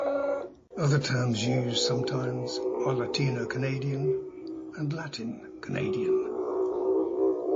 Other terms used sometimes are "Latino Canadian" and "Latin Canadian".